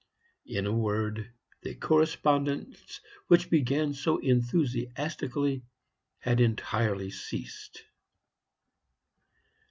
In a word, the correspondence which began so enthusiastically had entirely ceased.